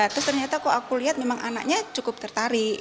terus ternyata aku lihat memang anaknya cukup tertarik